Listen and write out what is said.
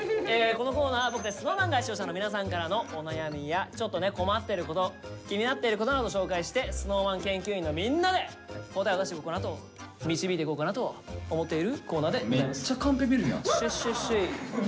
このコーナーは僕たちＳｎｏｗＭａｎが視聴者の皆さんからのお悩みやちょっとね困ってること気になっていることなどを紹介してＳｎｏｗＭａｎ研究員のみんなで答えを出していこうかなと導いていこうかなと思っているコーナーでございます。